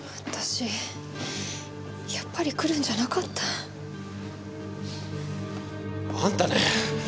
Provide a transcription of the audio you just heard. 私やっぱり来るんじゃなかった。あんたね。